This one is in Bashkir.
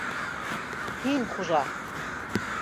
Һин - хужа!